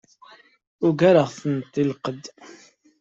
Ugaren-t deg lqedd.